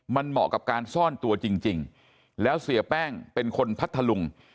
มันเหมาะกับการซ่อนตัวจริงแล้วเสียแป้งเป็นคนพัทธลุง